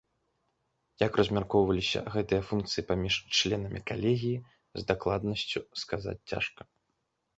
Як размяркоўваліся гэтыя функцыі паміж членамі калегіі, з дакладнасцю сказаць цяжка.